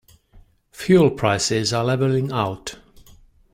Fuel prices are leveling out.